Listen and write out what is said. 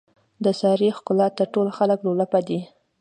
د سارې ښکلاته ټول خلک لولپه دي.